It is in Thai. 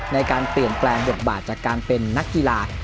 ในการเปลี่ยนแปลงบทบาทจากการเป็นนักกีฬา